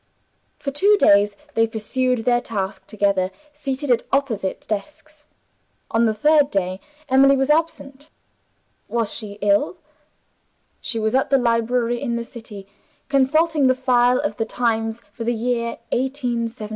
For two days they pursued their task together, seated at opposite desks. On the third day Emily was absent. Was she ill? She was at the library in the City, consulting the file of The Times for the year 1877. CHAPTER XXIV.